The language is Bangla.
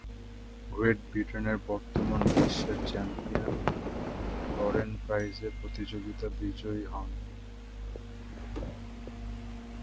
গ্রেট ব্রিটেনের বর্তমান বিশ্ব চ্যাম্পিয়ন লরেন প্রাইস এই প্রতিযোগিতায় বিজয়ী হন।